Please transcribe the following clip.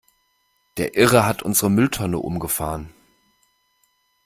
Der Irre hat unsere Mülltonne umgefahren!